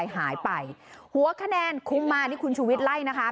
หายไปหัวคะแนนคุมมานี่คุณชูวิทย์ไล่นะคะ